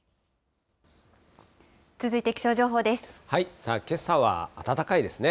さあ、けさは暖かいですね。